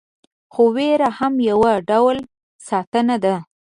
خو ویره هم یو ډول ساتنه ده.